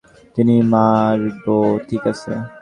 তিনে মারব, ঠিক আছে?